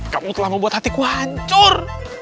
kamu telah membuat hatiku hancur